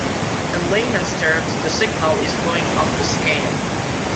In layman's terms, the signal is going "off the scale".